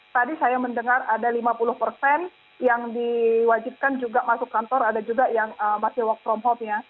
tadi saya mendengar ada lima puluh persen yang diwajibkan juga masuk kantor ada juga yang masih work from home ya